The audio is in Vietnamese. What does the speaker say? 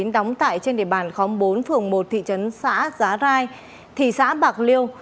đóng tại trên địa bàn khóm bốn phường một thị trấn xã giá rai thị xã bạc liêu